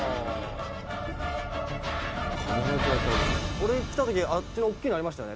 「俺来た時あっちの大きいのありましたよね」